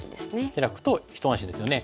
ヒラくと一安心ですよね。